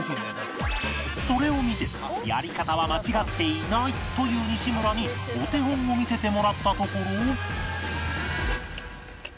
それを見てやり方は間違っていないと言う西村にお手本を見せてもらったところ